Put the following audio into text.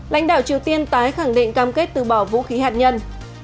lãnh đạo triều tiên tái khẳng định cam kết từ bỏ vũ khí hạt nhân